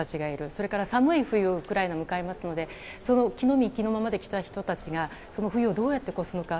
それから寒い冬をウクライナは迎えますので着の身着のままで来た人たちがどうやって越すのか。